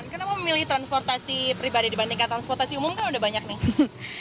kenapa memilih transportasi pribadi dibandingkan transportasi umum kan udah banyak nih